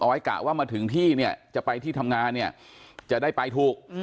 ไว้กะว่ามาถึงที่เนี่ยจะไปที่ทำงานเนี่ยจะได้ไปถูก